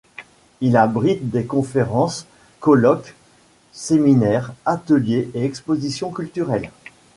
Il abrite des conférences, colloques, séminaires, ateliers et expositions culturelles.